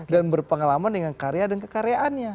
dan berpengalaman dengan karya dan kekaryanya